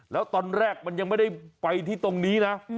แล้วตอนแรกมันยังไม่ได้ไปที่ตรงนี้นะ